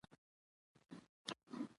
د واک تمرکز اکثره وخت د شخړو لامل ګرځي